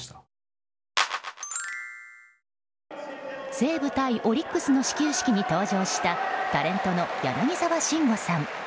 西武対オリックスの始球式に登場したタレントの柳沢慎吾さん。